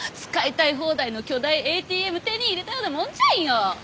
使いたい放題の巨大ＡＴＭ手に入れたようなもんじゃんよ。